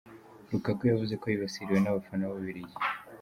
Lukaku yavuze ko yibasiriwe n’abafana b’Ububiligi.